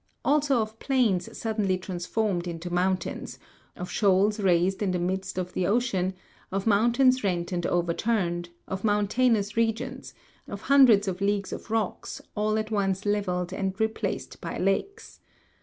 Also of plains suddenly trans formed into mountains, of shoals raised in the midst of the ocean, of moun tains rent and overturned, of mountainous regions, of hundreds of leagues of rocks all at once levelled and replaced by lakes.